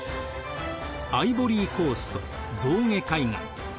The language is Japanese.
アイボリーコースト象牙海岸。